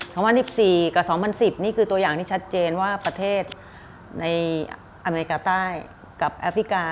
คำว่า๑๔กับ๒๐๑๐นี่คือตัวอย่างที่ชัดเจนว่าประเทศในอเมริกาใต้กับแอฟริกา